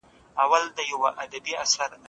سعید خپل انځور په کتابچه کې پټ کړ.